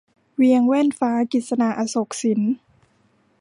เวียงแว่นฟ้า - กฤษณา อโศกสิน